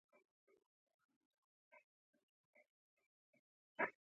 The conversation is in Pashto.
دا د غریبو هېوادونو د عوایدو اندازه ده.